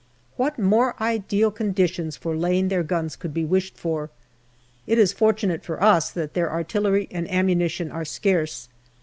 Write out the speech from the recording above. What more ideal conditions for laying their guns could be wished for ? It is fortunate for us that their artillery and ammunition are scarce.